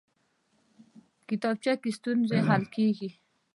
کتابچه کې ستونزې حلېږي